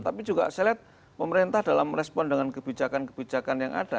tapi juga saya lihat pemerintah dalam respon dengan kebijakan kebijakan yang ada